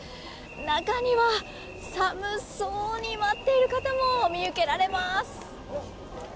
中には寒そうに待っている方も見受けられます。